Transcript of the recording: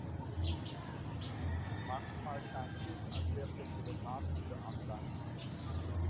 Manchmal scheint es, als wärt ihr telepathisch veranlagt.